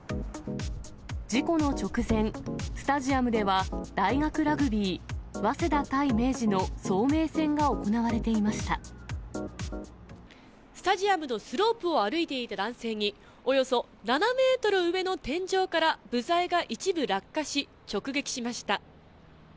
事故の直前、スタジアムでは大学ラグビー、早稲田対明治の早明戦が行われてスタジアムのスロープを歩いていた男性に、およそ７メートル上の天井から、部材が一部落下し、直撃しました。